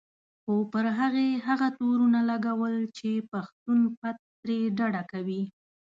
خو پر هغې هغه تورونه لګول چې پښتون پت ترې ډډه کوي.